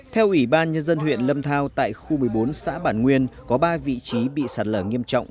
theo ủy ban nhân dân huyện lâm thao tại khu một mươi bốn xã bản nguyên có ba vị trí bị sạt lở nghiêm trọng